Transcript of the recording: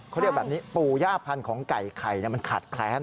เขาเรียกแบบนี้ปู่ย่าพันธุ์ของไก่ไข่มันขาดแคลน